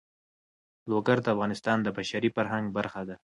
لوگر د افغانستان د بشري فرهنګ برخه ده.